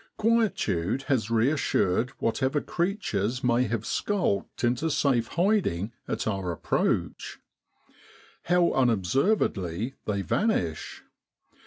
Quietude has reassured whatever creatures may have skulked into safe hiding at our approach. How unobservedly they vanish